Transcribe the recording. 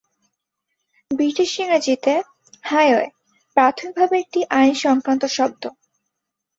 British ইংরেজিতে, "highway" প্রাথমিকভাবে একটি আইন সংক্রান্ত শব্দ।